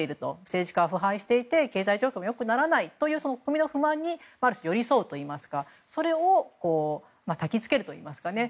政治家が腐敗していて経済状況もよくならないという国民の不安に、ある種寄り添うというかたきつけるといいますかね